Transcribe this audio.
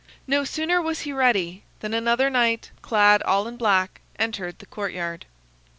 No sooner was he ready than another knight, clad all in black, entered the courtyard.